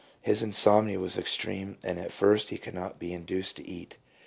His insomnia was extreme, and at first he could not be induced to eat.